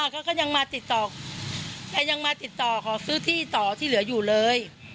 แกก็มาแกก็ยังมาติดต่อขอซื้อที่ต่อที่เหลืออยู่เลย